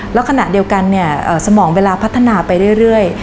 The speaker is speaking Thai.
แล้วขณะเดียวกันเนี่ยสมองเวลาพัฒนาไปเรื่อย